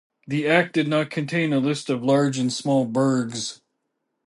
The Act did not contain a list of large and small burghs.